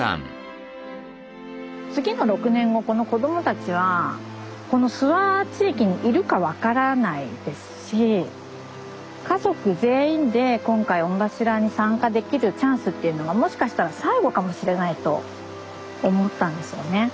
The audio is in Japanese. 次の６年後この子どもたちはこの諏訪地域にいるか分からないですし家族全員で今回御柱に参加できるチャンスっていうのがもしかしたら最後かもしれないと思ったんですよね。